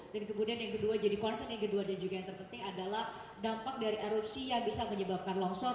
dan kemudian yang kedua jadi concern yang kedua dan juga yang terpenting adalah dampak dari erupsi yang bisa menyebabkan longsor